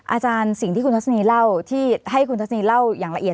อาจารย์สิ่งที่คุณทัศนีเล่าที่ให้คุณทัศนีเล่าอย่างละเอียด